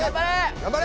頑張れ！